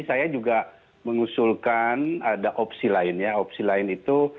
saya juga mengusulkan ada opsi lainnya opsi lain itu